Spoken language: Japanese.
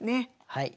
はい。